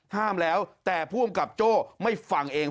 ห้ามแล้วแต่ผู้อำกับโจ้ไม่ฟังเอง